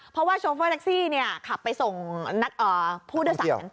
เพราะว่าโชเฟอร์แท็กซี่ขับไปส่งผู้โดยสาร